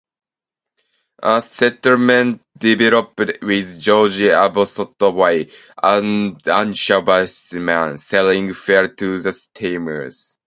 A settlement developed, with George Abotossaway, an Anishinaabe man, selling fuel to the steamers.